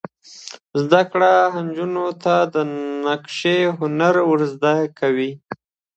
زده کړه نجونو ته د نقاشۍ هنر ور زده کوي.